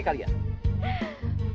biar aku sini